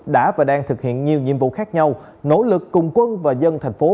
đã và đang thực hiện nhiều nhiệm vụ khác nhau nỗ lực cùng quân và dân thành phố